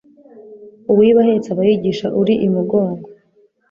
Uwiba ahetse aba yigisha uri imugongo